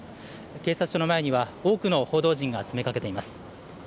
警察署の前には多くの報道陣が詰めかけています。